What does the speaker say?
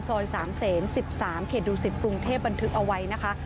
ซอยสามเซนสิบสามเขตดูสิทธิ์ปรุงเทพฯบันทึกเอาไว้นะคะ